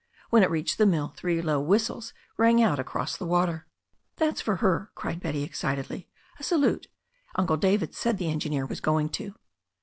When it reached the mill, three low whistles rang out across the water. "That's for her," cried Betty excitedly. "A salute. Uncle David said the engineer was going to."